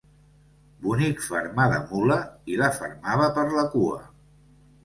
Bonic fermar de mula, i la fermava per la cua.